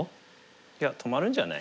いや止まるんじゃない？